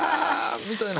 みたいな。